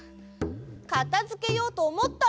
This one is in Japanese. かたづけようとおもったんだ。